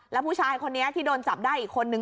แล้วผู้ชายคนนี้ที่โดนจับได้อีกคนนึง